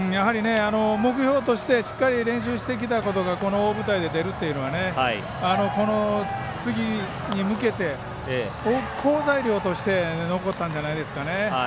目標としてしっかり練習してきたことがこの大舞台で出るということはこの次に向けて好材料として残ったんじゃないですかね。